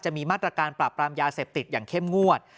มีมาตรการปราบปรามยาเสพติดอย่างเข้มงวด